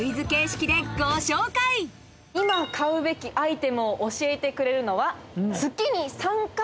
今買うべきアイテムを教えてくれるのは。